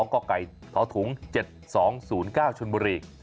๒กล้าไก่ท้อถุง๗๒๐๙ชนบุรี